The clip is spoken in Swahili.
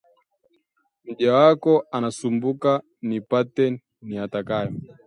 Mja wako nasumbuka, nipate niyatakayo